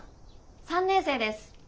３年生です。